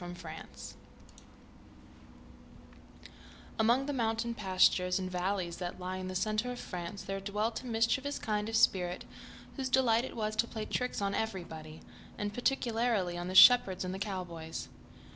A French Puck Among the mountain pastures and valleys that lie in the centre of France there dwelt a mischievous kind of spirit, whose delight it was to play tricks on everybody, and particularly on the shepherds and the cowboys.